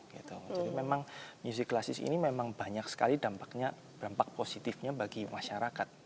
jadi memang musik klasik ini memang banyak sekali dampaknya dampak positifnya bagi masyarakat